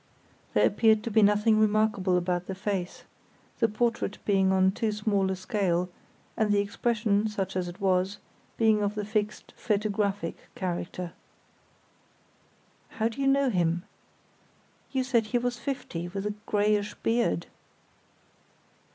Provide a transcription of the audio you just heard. There appeared to be nothing remarkable about the face; the portrait being on too small a scale, and the expression, such as it was, being of the fixed "photographic" character. "How do you know him? You said he was fifty, with a greyish beard."